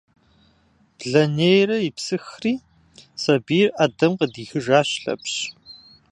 Блэнейрэ ипсыхьри, сабийр ӏэдэм къыдихыжащ Лъэпщ.